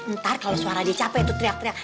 ntar kalau suara dia capek itu teriak teriak